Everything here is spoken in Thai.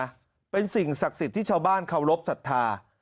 นะเป็นสิ่งศักดิ์สิทธิ์ที่ชาวบ้านเคารพสัทธา